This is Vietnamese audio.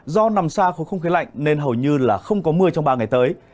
do nằm xa khối không khí lạnh nên hầu như là không có mưa trong ba ngày tới